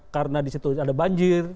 karena di situ ada banjir